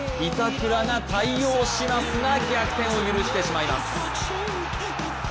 板倉が対応しますが逆転を許してしまいます。